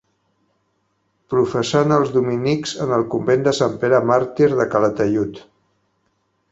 Professà en els dominics en el convent de Sant Pere Màrtir de Calataiud.